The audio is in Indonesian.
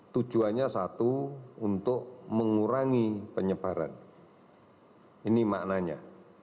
tujuannya satu untuk mengurangi penyebaran ini maknanya